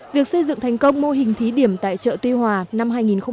việc xây dựng thành công mô hình thí điểm tại chợ tuy hòa năm hai nghìn một mươi tám